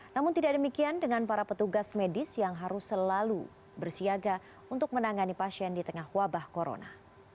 namun tidak demikian dengan para petugas medis yang harus selalu bersiaga untuk menangani pasien di tengah wabah corona